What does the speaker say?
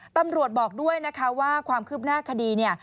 ตำรวจบอกด้วยว่าความคืบหน้าคดี